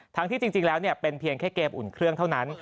ที่จริงแล้วเป็นเพียงแค่เกมอุ่นเครื่องเท่านั้น